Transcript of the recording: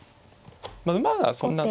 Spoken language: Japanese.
まあ馬がそんな。